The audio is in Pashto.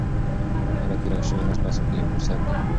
د ژوند هره تېره شوې میاشت په اصل کې یو فرصت دی.